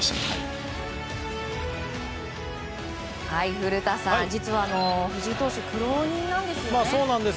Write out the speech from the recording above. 古田さん、実は藤井投手苦労人なんですよね。